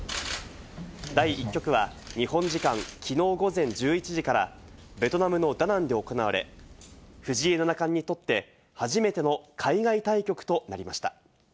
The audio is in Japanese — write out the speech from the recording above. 第１局は日本時間、きのう午前１１時からベトナムのダナンで行われ、藤井七冠にとって初めての海外対局となりました。